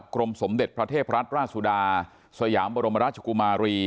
กรมสมเด็จพระเทพรัฐราชสุดาสยามบรมราชกุมารี